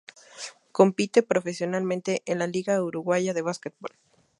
Compite profesionalmente en la Liga Uruguaya de Básquetbol.